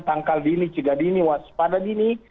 tangkal dini cegah dini waspada dini